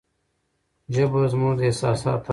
ژبه زموږ د احساساتو آینه ده.